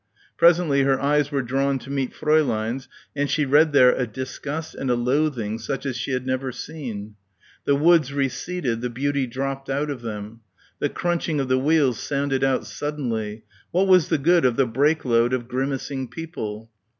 Presently her eyes were drawn to meet Fräulein's and she read there a disgust and a loathing such as she had never seen. The woods receded, the beauty dropped out of them. The crunching of the wheels sounded out suddenly. What was the good of the brake load of grimacing people?